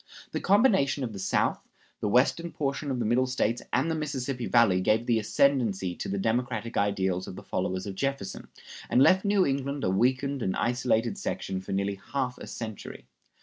The combination of the South, the western portion of the Middle States, and the Mississippi Valley gave the ascendancy to the democratic ideals of the followers of Jefferson, and left New England a weakened and isolated section for nearly half a century.